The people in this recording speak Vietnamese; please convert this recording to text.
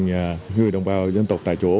người đồng bào dân tộc tại chỗ